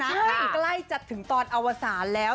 มันใกล้จะถึงตอนอวสารแล้ว